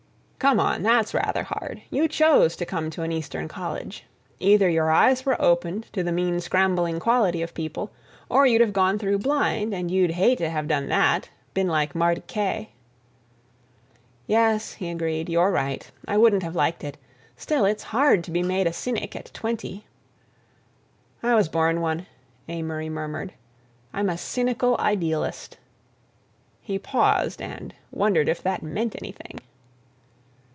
"Come on, that's rather hard. You chose to come to an Eastern college. Either your eyes were opened to the mean scrambling quality of people, or you'd have gone through blind, and you'd hate to have done that—been like Marty Kaye." "Yes," he agreed, "you're right. I wouldn't have liked it. Still, it's hard to be made a cynic at twenty." "I was born one," Amory murmured. "I'm a cynical idealist." He paused and wondered if that meant anything.